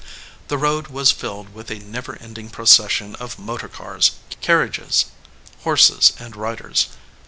The road was filled with a never ending procession of motor cars, carriages, horses, and riders.